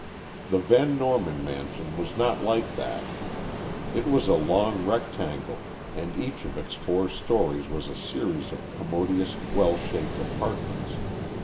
The Van Norman mansion was not like that. It was a long rectangle, and each of its four stories was a series of commodious, well shaped apartments.